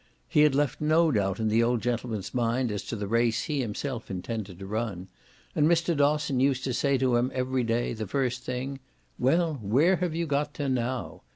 He had left no doubt in the old gentleman's mind as to the race he himself intended to run, and Mr. Dosson used to say to him every day, the first thing, "Well, where have you got to now?"